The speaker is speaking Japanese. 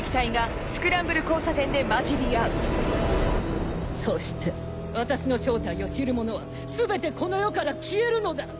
爆発音そして私の正体を知る者は全てこの世から消えるのだ。